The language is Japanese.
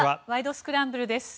スクランブル」です。